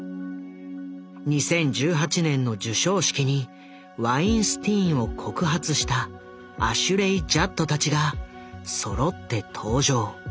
２０１８年の授賞式にワインスティーンを告発したアシュレイ・ジャッドたちがそろって登場。